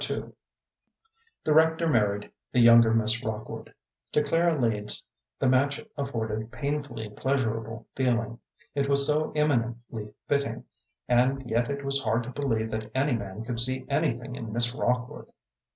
II The rector married the younger Miss Rockwood. To Clara Leeds the match afforded painfully pleasurable feeling. It was so eminently fitting; and yet it was hard to believe that any man could see anything in Miss Rockwood.